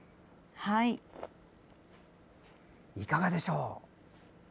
いかがでしょう。